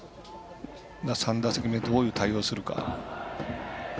３打席目、どういう対応するか。